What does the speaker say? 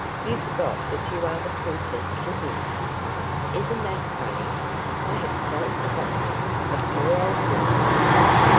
You forgot that you are the princess to him." "Isn't that funny? I had quite forgotten it the poor old goose."